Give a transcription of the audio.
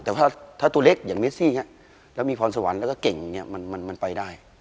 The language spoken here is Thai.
แต่ว่าถ้าตัวเล็กอย่างเมซี่แล้วมีพรสวรรค์แล้วก็เก่งอย่างนี้มันไปได้